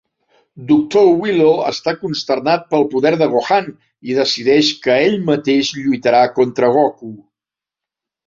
Doctor Wheelo està consternat pel poder de Gohan i decideix que ell mateix lluitarà contra Goku.